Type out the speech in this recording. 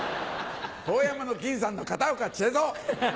『遠山の金さん』の片岡千恵蔵！